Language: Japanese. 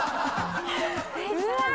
うわ！